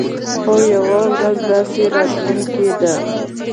خو يوه ورځ داسې راتلونکې ده.